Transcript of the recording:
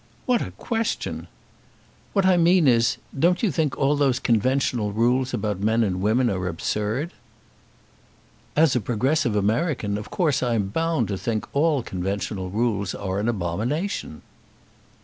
"What a question!" "What I mean is, don't you think all those conventional rules about men and women are absurd?" "As a progressive American, of course I am bound to think all conventional rules are an abomination."